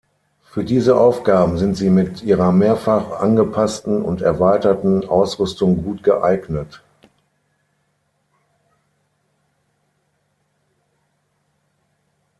Für diese Aufgaben sind sie mit ihrer mehrfach angepassten und erweiterten Ausrüstung gut geeignet.